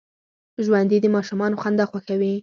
ژوندي د ماشومانو خندا خوښوي